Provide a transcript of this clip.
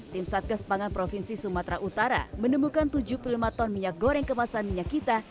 tim satgas pangan provinsi sumatera utara menemukan tujuh puluh lima ton minyak goreng kemasan minyak kita